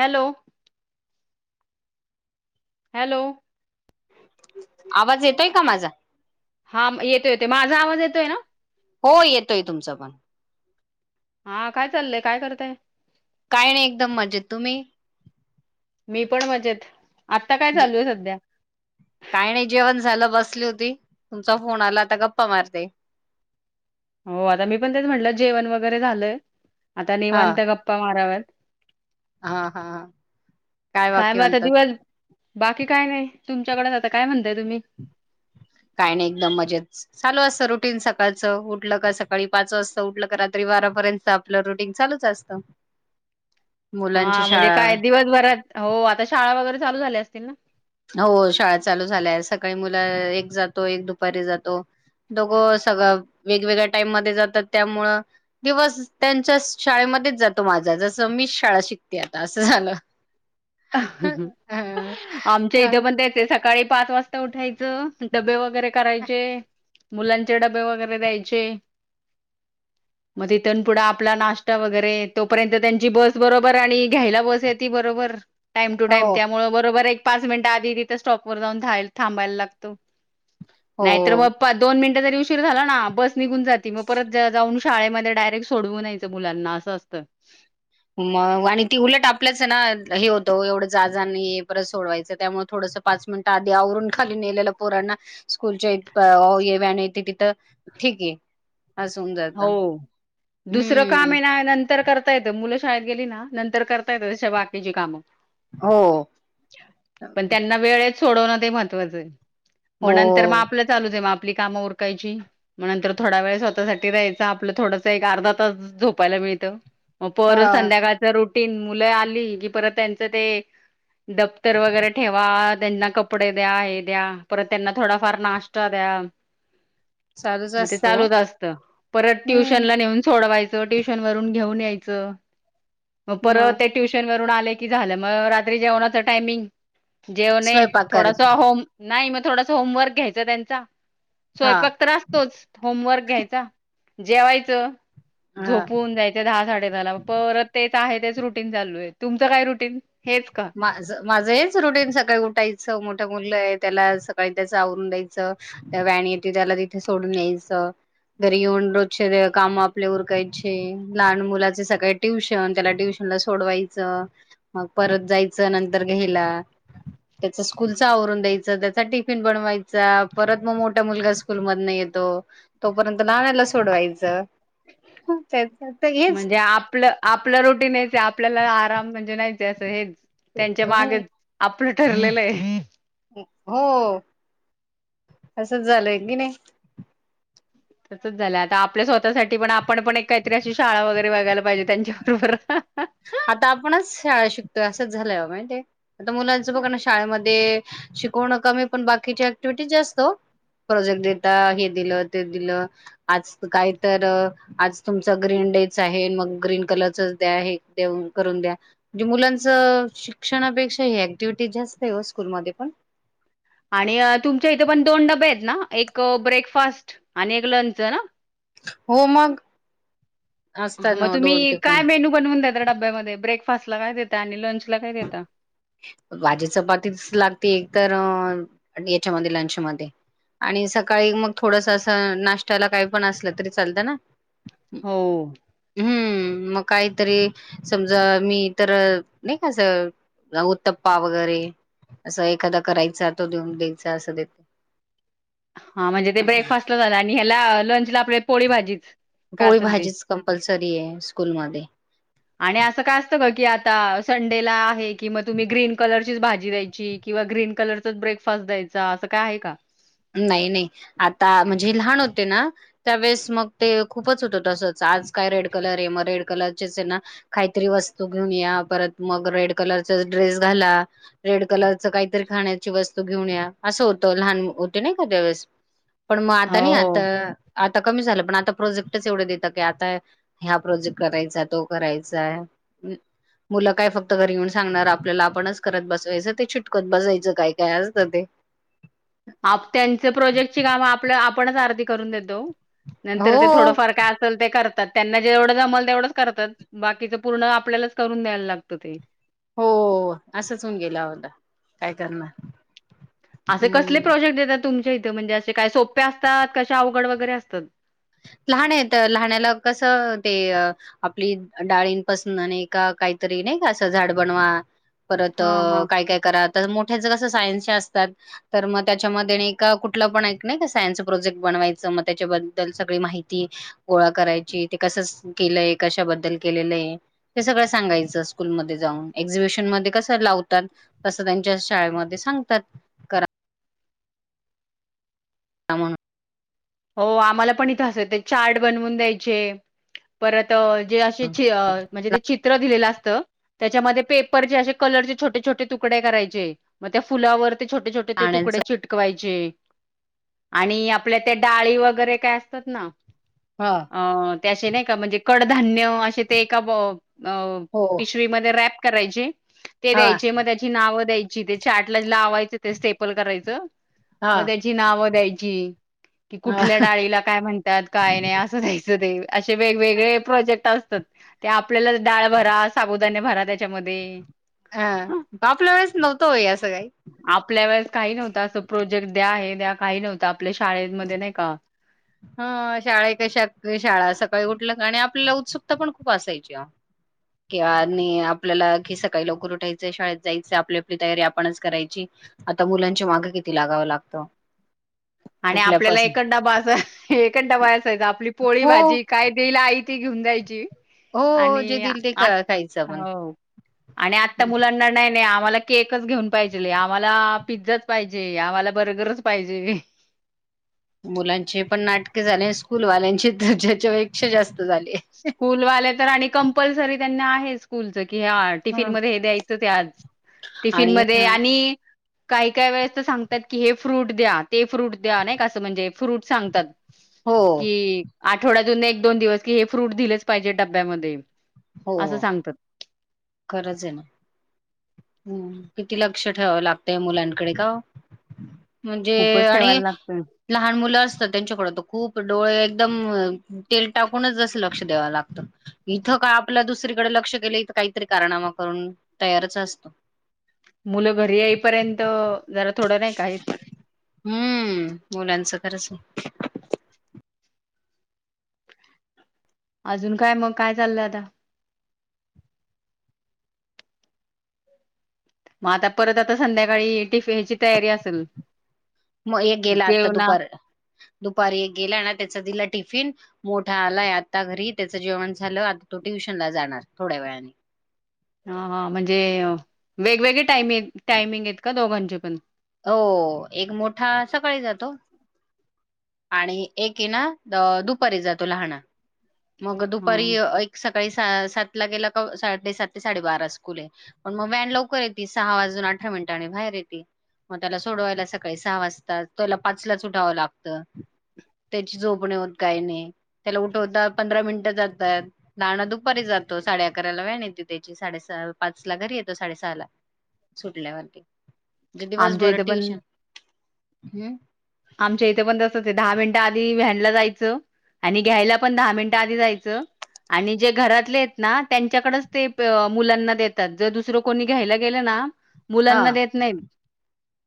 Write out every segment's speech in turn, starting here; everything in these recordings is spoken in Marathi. हॅलो. हॅलो. आवाज येतोय का माझा? हा येतो येतो माझा आवाज येतोय ना. हो येतोय तुमचा पण. हा काय चाललंय काय करताय? काय नाही एकदम मजेत तुम्ही. मी पण मजेत. आत्ता काय जे, चालू आहे सध्या काही नय जेवण झालं बस. बसली होती, तुमचा फोन आला आता गप्पा मारते. हो आता मी पण तेच म्हटलं जेवण वगैरे झालंय, आता हा निवांत गप्पा माराव्यात. हा हा हां, काय बाकी मग आता म्हणतात. दिवस बाकी काय नाही तुमच्याकडच आता काय म्हणताय तुम्ही. काय नाही एकदम मजेत, चालू असतं रुटीन सकाळचं उठलं का सकाळी पाच वाजता उठल का रात्री बारापर्यंत आपलं रुटीन चालूच असत. हा म्हणजे काय दिवसभरात हो आता शाळा वगैरे चालू झाल्या असतील ना. हो शाळा चालू झाल्या सकाळी मुलं एक जातो एक दुपारी जातो. दोघ सग, वेगवेगळ्या टाइम मध्ये जातात त्यामुळे दिवस त्यांच्या शाळे मध्येच जातो माझा जस मीच शाळा शिकते आता असं झालं. ह आमच्या इथे पण त्याचे सकाळी पाच वाजता उठायचं डबे वगैरे करायचे. मुलांचे डबे वगैरे द्यायचे. मग तिथन पुढं आपला नाश्ता वगैरे तोपर्यंत त्यांची बस बरोबर आणि घ्यायला बस येती बरोबर. टाइम टू टाइम हो त्यामुळे बरोबर एक पाच मिनिटे आधी तिथ स्टॉप वर जाऊन था थांबायला लागतो नाहीतर म हो. दोन मिनिटं मिनिटं उशीर झाला ना बस निघून जात मग परत जाऊन शाळेमध्ये डायरेक्ट सोडवून यायचं मुलांना असं असतं. मग आणि ती उलट आपल्याच ना हे होतं एवढं जाजांनी परत सोडवायचं त्यामुळे थोड पाच मिनिटं आधी आवरून खाली नेलेलं पोरांना स्कूलच्या ये व्यान येते तिथं. ठीक हे. हो, दुसरं काम हम्म येणा नंतर तर करता येतं मुलं शाळेत गेली ना नंतर करता येतं तश बाकीची कामं. हो पण त्यांना वेळेत सोडवणं ते महत्वाचं आहे. मग नंतर मग हो. आपलं चालूच आहे मग आपली कामं उरकायची मग नंतर थोडा वेळ स्वतःसाठी द्यायचा आपलं थोडंसं अर्धा तास झोपायला मिळत, म पर हा संध्याकाळच रूटी टीन मुलं आली की परत त्यांच ते दप्तर वगैरे ठेवा. त्यांना कपडे द्या हे द्या परत त्यांना थोडाफार नाश्ता द्या. चालूच असतो. त, परत हम्म ट्युशनला नेऊन सोडवायचं ट्युशन वरून घेऊन यायचं. मग परत ते ट्युशन वरून आले की झालं मग रात्री जेवणाच टायमिंग जेवणे स्वयंपाक करत थोडास होम नाही मग थोडास होमवर्क घ्यायच त्यांचा. हा स्वयंपाक तर असतोच, होमवर्क घ्यायचा. जेवायचं, हा झोपून जायचं, दहा-साडे-दहाला परत ते आहे तेच रुटीन चालू आहे. तुमचं काय रुटीन? हेच का माझ माझं हेच रुटीन, सकाळी उठायचं, मोठ्या मुलं आहे. त्याला सकाळी त्याच आवरून द्यायचं. त्या व्हॅन येते त्याला तिथे सोडून यायचं. घरी येऊन रोजचे काम आपले उरकायचे, लहान मुलाचे सकाळे ट्यूशन, त्याला ट्यूशन- मला सोडवायचं, मग परत जायचं, नंतर घ्यायला. त्याच स्कूलच आवरून द्यायचं, त्याचा टिफिन बनवायचा. परत मग मोठा मुलगा स्कूल मधन येतो, तोपर्यंत लहानाला सोडवायचं. तेच तर हेच म्हणजे आपलं-आपला रोटीन हाय ते, आपल्याला आराम म्हणजे नाही ते अस, हे त्यांच्या मागे आपलं ठरलेलं आहे. हो असच झालंय की नाही. तसच झालंय, आता आपल्या स्वतःसाठी पण आपण पण एक काहीतरी अशी शाळा वगैरे बघायला पाहिजे त्यांच्याबरोबर. आता आपणच शाळा शिकतोय असंच झालंय माहिते, आता मुलांचं बघा ना शाळेमध्ये शिकवणं कमी पण बाकीची ऍक्टिव्हटी जास्त ओ. प्रोजेक्ट देता, हे दिलं, ते दिलं, आज काही तर आज तुमच ग्रीन. ंडेच आहे, मग ग्रीन कलरचच द्या, हे. करून द्या, म्हणजे मुलांच शिक्षणापेक्षा ह ऍक्टिव्हिटी जास्त आहे ओ स्कूलमध्ये पण. ह [unintelligible] आणि तुमच्या इथे पण दोन डबे आहेत ना, एक ब्रेकफास्ट आणि एक लंच ना. हो मग. असतात मग ना दोन तुम्ही टिफिन काय मेनू बनवून दता, डब्यामध्ये ब्रेक फास्ट ला काय देता, आणि लंच ला काय देता. भाजी चपातीच लागते, एक तर याच्यामध्ये लंचमध्ये. आणि सकाळी मग, थोडस असं नाष्टायाला काही पण असलं तरी चालतं ना. हो. हम्म मग काहीतरी. समजा मी तर नाही का अस. उतप्पा वगैरे, असं एखादा करायचा, तो देऊन द्यायचा असं देतो. हा म्हणजे ते ब्रेकफास्ट ला झालं, आणि ह्याला लंचला आपल्या पोळी भाजीच. काय पोळी असेल ती भाजीच कंपल्सरी आहे स्कूलमध्ये. आणि असं काय असत ग, की आता संडेला आहे कि मग तुम्ही ग्रीन कलर. भाजी द्यायची, किंवा ग्रीन कलर ब्रेकफास्ट द्यायचा, असं काय आहे का. नाही नाही आता म्हणजे लहान होते त्यावेळेस मग ते खूपच होत तसच, आज काय रेड कलर मग रेड. करलचेच. काहीतरी वस्तू घेऊन या, परत मग रेड कलरचेच ड्रेस घाला. रेड कलर च काहीतरी खाण्याची वस्तू घेऊन या, असं होतं लहान नाही का त्यावेळेस, पण मग आता हो नाही हो आता आता कमी झालं, पण आता प्रोजेक्टच एवढे देतात, की आता ह्या प्रोजेक्ट करायचाय, आहे तो करायचाय. हम् [unintelligible] मुलं काय फक्त घरी येऊन सांगणार आपल्याला, आपणच करत बसवायचं ते चिटकवत बसाायचं, काय-काय असतं ते. आप त्यांची प्रोजेक्टची काम आपलं आपणच आर्धी करून देतो. नंतर ते हो थोडंफार काय असेल ते करत. त्यात, त्यांना जेवढं जमल तेवढंच करतात, बाकीच पूर्ण आपल्यालाच करून द्यायला लागतं ते. हो असंच होऊन गेला होता काय करणार. असे कसले हम्म प्रोजेक्ट देतात तुम च्या इथ, म्हणजे काय सोप्या असतात. कश्या अवघड वगैरे असतात. लहानेत लहाण्याला कसं ते आपली. डाळींपासून नई का, काहीतरी नाही का, असं झाड बनवा. परत हा हा काय-काय करा. मोठ्याच कस सायन्सी असतात. तर मग त्याच्यामध्ये कुठलं पण एक सायन्सी प्रोजेक्ट ब बनवायच मग त्याच्याबद्दल माहिती गोळा करायची, ते कस केलंय कशाबद्दल केलेलंय ते सगळ सांगायच स्कूल मध्ये जाऊन, एक्झिबिशन मध्ये कसं लावतात. तसं त्यांच्या शाळेमध्ये सांगतात. करा. म्हणून. हो आम्हाला पण इथे असच चार्ट बनवून द्यायचे. परत जे असे म्हणजे ते चित्र दिलेलं असत. त त्याच्यामध्ये पेपरचेे कलरचे छोटे-छोटे तुकडे करायचे, मग त्या फुलावर छोटे-छोटे ते तुकडे पाण्याचं चिटकवायचे आणि आपल्या त्या डाळी वगैरे काय असतात ना. हा अ. ते असे नाही का, म्हणजे कडधान्य असे ते एका हो. पिशवीमध्ये रॅप करायचे. ते हां, द्यायचे, मग त्याची नावं द्यायची. त्याच्या चार्टला लावायचं ते स्टेपल करायचं. मग हां, त्याची नावं द्यायची. की हां, कुठल्या डाळीला काय म्हणतात. काय नाही असं द्यायचं ते. असे वेगवेगळे प्रोजेक्ट असतात. ते आपल्याला डाळ भरा, साबुदाने भरा, त्याच्यामध्ये. हा आपल्या वेळेस नव्हतं अस काही. आपल्या वेळेस काही नव्हतं. असं प्रोजेक्ट द्या, हे द्या, अस काही नव्हतं आपल्या शाळेमध्ये नाही का. हा शाळा कशा शाळा. सकाळी उठल कणी आपल्याला उत्सुकता पण खूप असायची आहों. किं आणि आपल्याला कि सकाळी लवकर उठायचाय, शाळेत जायचं, आपली-आपली तयारी आपणच करायची. आता मुलांची मागे किती लागावं लागतं. [inaudible] आणि आपल्याला उठल्यापासून. एकच डाबा असायचा, एकडाबा असायचा आपली पोळी हो, भाजी काय देईल आई. ती घेऊन जायची. हो, जे आणि दिल ते ख आ खायचं आपण. आणि आत्ता मुलांना नाही-नाही आ. आम्हाला केकच घेऊन पाहिजे, आम्हाला पिझ्झाच पाहिजे, आम्हाला बर्गरच पाहिजे. मुलांचे पण नाटके झाले, स्कूलवाल्यांची त्याच्यापेक्षा जास्त. झाले. स्कूलवाले तर आणि कंपल्सरी त्यांना आहे स्कूलच. कि हा टिफिन हं मध्ये हे द्यायचं ते आज, टिफिन आणि मध्ये आणि काही काय वेळेस तर सांगतात की हे, फ्रूट द्या, ते फ्रूट द्या, नाही का असं म्हणजे फ्रूट सांगतात. हो, कि आठवड्यातून एक-दोन दिवस कि हे फ्रूट दिलेच पाहिजे डब्यामध्ये. हो, असं सांगतात. खरंच आहे ना. हम. किती लक्ष ठेवावं लागतंय मुलांकडे का ओ. म्हणजे खूपच आणि ठेवायला लागतं. लहान मुलं असत त्यांच्याकड तर खूप डोळे एकदम तेल टाकूनच जस लक्ष द्याव लागतं, इथं काय आपल्या दुसरीकडे लक्ष दिलं. काहीतरी कारणामा करून तयारच असतो. मुलं घरी येईपर्यंत जरा थोडं नाही काहीच. खरच. अजून काय मग काय चाललंय आता? मग आता परत आता संध्याकाळी टिफिनची तयारी असेल. मग एक गेला आता जेवणा दुपार-दुपारी, एक गेला ना त्याचा दिला टिफिन. मोठा आलाय आता घरी, त्याचं जेवण झालं आता, तो ट्युशनला जाणार थोड्या वेळाने. हा, हा म्हणजे वेगवेगळे टाइम टायमिंग आहेत का दोघांचे पण. हो एक मोठा सकाळी जातो. आणि एक ये ना दुपारी जातो लहाणा. मग दुपारी ह एक सकाळी सातला गेला, सात ते साडेबारा स्कूल आहे, पण मग व्हॅन लवकर येती सहा वाजून अठरा मि मिनिटांनी बाहेर येते. मग त्याला सोडवायला सकाळी सहा वाजता, तेला पाचलाच उठावं लागतं. त्याची झोप नाही होत, काही नाही, त्याला उठवता. पंधरा मिनिटं जातात, लाहाना दुपारी जातो साडे अकराला व्हॅन येत त्याची साडेस पाच ला घरी. येतो साडे सहाला सुटल्यावरती म्हनजे दिवस आमच्या बर इथे पण ट्युशन हम्म. आमच्या इथे पण तसंच आहे दहा मिनिटं आधी व्हॅनला जायचं. आणि घ्यायला पण दहा मिनिटं आधी जायचं. आणि जे घरातले आहेत ना त्यांच्याकडेच ते मुलांना देतात जर दुसरं कोणी घ्यायला गेलं ना हा मुलांना देत नाही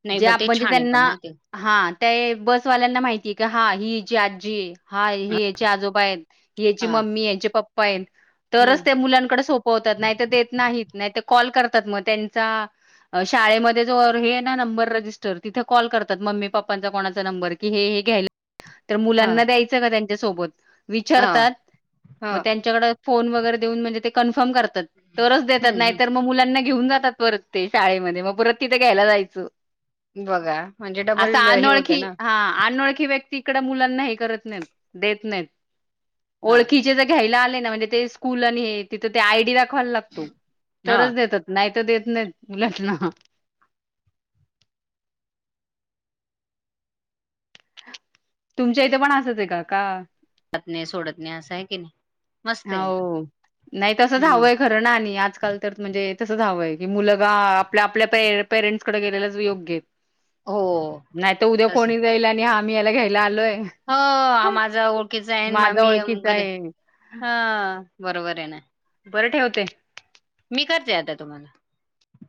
नाही जे ब ते आपण जे छान आहे त्यांना पण माहिती आहे. हा त्या बसवाल्यांना माहितीय की हा ही ईची आजी आहे. हा हे याचे आजोबा आहेत ही याची हा मम्मी याचे ह्याचे पप्पा आहेत. हम्म तरच ते मुलांकडे सोपवतात नाही तर देत नाहीत नाही कॉल करतात. मग त्याचा शाळेमध्ये जो हे आहे ना नंबर रजिस्टर तिथे कॉल करतात मम्मी पप्पा. पप्पाचा माझा कोणाचा नंबर की हे हे घ्यायला तर हा मुलांना द्यायचं का त्यांच्या सोबत हा विचारतात हा मग त्यांच्याकडे फोन वगैरे देऊन म्हणजे ते कन्फर्म करतात. हम्म तरच देतात हम्म नाही तर मग मुलांना घेऊन जातात परत ते शाळेमध्ये मग परत तिथे घ्यायला जायचं बघा म्हणजे असं डबल हे अनोळखी होतं ना. हा अनोळखी व्यक्ती इकडं मुलांना हे करत नाहीत देत नाहीत. हां, ओळखीचे ज घ्यायला आले ना म्हणजे ते स्कूल आणि तिथं ते आयडी लागते. फल लागतो हां. तरच देतात नाही देत नाही मुलांना तुमच्या इथे पण असचं आहे का? जात नाही सोडत नाही असं आहे की नाही मस्त आहे एकदम. हो नाही तसंच हं. हवंय खरं ना आणि आजकाल तर म्हणजे तसं हवंय की मुलगा आपल्या आपल्या पे पेरेंटसकडे गेलेलाच योग्य हो, नाहीत उद्या तसं. कोणी जाईला आणि आम्ही याला घ्यायला आलोय हो माझा ओळखीचा आहे माझा मामी ओळखीचा आहे. हा बरोबर आहे ना? बरं ठेवते. मी करते आता तुम्हाला